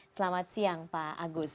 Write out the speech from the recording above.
selamat siang pak agus